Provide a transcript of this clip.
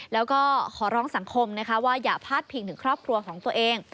แล้วก็ขอร้องสังคมนะคะว่าอย่าพาดพิงถึงครอบครัวของตัวเอง